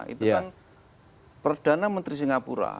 itu kan perdana menteri singapura